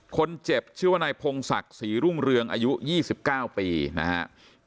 คนเจ็บชื่อว่านายพงศักดิ์ศรีรุ่งเรืองอายุ๒๙ปีนะครับ